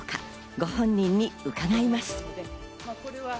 ご本人に伺います。